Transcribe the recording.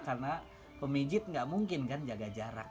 karena pemijat tidak mungkin kan jaga jarak